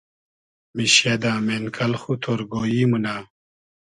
میشیۂ دۂ مېنکئل خو تۉرگۉیی مونۂ